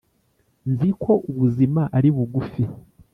nzi ko ubuzima ari bugufi